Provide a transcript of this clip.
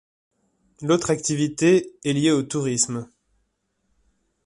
L’autre activité est liée au tourisme.